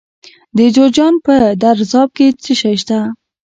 د جوزجان په درزاب کې څه شی شته؟